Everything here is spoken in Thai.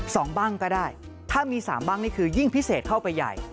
บ้างก็ได้ถ้ามีสามบ้างนี่คือยิ่งพิเศษเข้าไปใหญ่